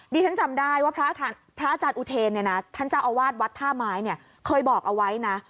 ดิฉันจำได้ว่าพระอาจารย์อุเทนเนี่ยนะท่านเจ้าอาวาสวัดท่าไม้เนี่ยเคยบอกเอาไว้นะ